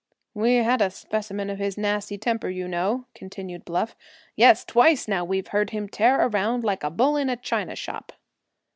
"We had a specimen of his nasty temper, you know," continued Bluff. "Yes, twice now we've heard him tear around like a bull in a china shop."